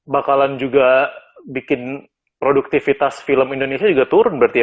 bakalan juga bikin produktivitas film indonesia juga turun berarti ya